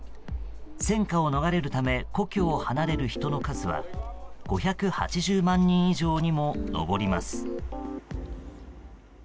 戦火を逃れるため故郷を離れる人の数は５８０万人以上にも上ります。